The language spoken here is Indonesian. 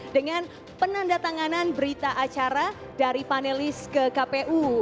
dengan penandatanganan berita acara dari panelis ke kpu